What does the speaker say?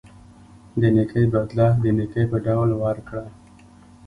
د نیکۍ بدله د نیکۍ په ډول ورکړه.